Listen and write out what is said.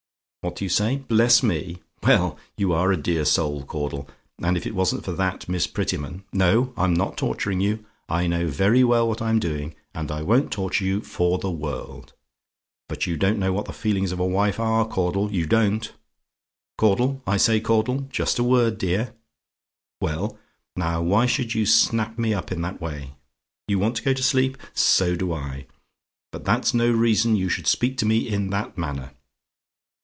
What do you say? "BLESS ME! "Well, you are a dear soul, Caudle; and if it wasn't for that Miss Prettyman no, I'm not torturing you. I know very well what I'm doing, and I wouldn't torture you for the world; but you don't know what the feelings of a wife are, Caudle; you don't. "Caudle I say, Caudle. Just a word, dear. "WELL? "Now, why should you snap me up in that way? "YOU WANT TO GO TO SLEEP? "So do I; but that's no reason you should speak to me in that manner.